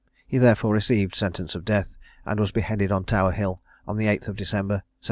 He therefore received sentence of death, and was beheaded on Tower hill, on the 8th of December 1746.